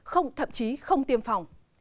không thậm chí không tiêm phòng